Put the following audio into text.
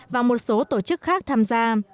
và một số tổ chức khác tham gia